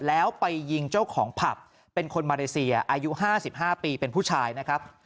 แล้วไปยิงเจ้าของผับเป็นคนมาเลเซียอายุ๕๕ปีเป็นผู้ชายนะครับ